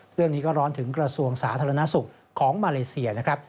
เรื่องนี้ก็ร้อนถึงกระทรวงสาธารณสุขของมาเลเซียนะครับ